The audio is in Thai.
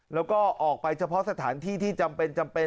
แล้วก็ออกไปเฉพาะสถานที่ที่จำเป็น